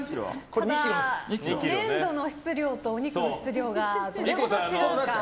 粘土の質量とお肉の質量がどれほど違うか。